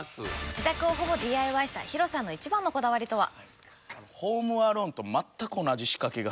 自宅をほぼＤＩＹしたＨＩＲＯさんの一番のこだわりとは？